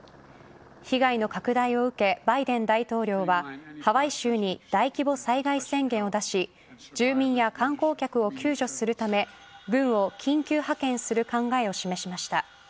被害の拡大を受けバイデン大統領はハワイ州に大規模災害宣言を出し住民や観光客を救助するため軍を緊急派遣する考えを示しました。